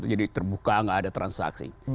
jadi terbuka gak ada transaksi